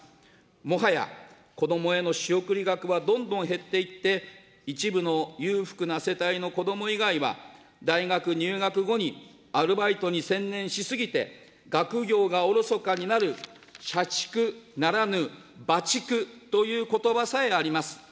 もはや子どもへの仕送り額はどんどん減っていって、一部の裕福な世帯の子ども以外は、大学入学後に、アルバイトに専念しすぎて学業がおろそかになる、社畜ならぬ、バ畜ということばさえあります。